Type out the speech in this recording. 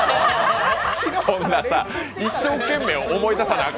そんな一生懸命思い出さなあ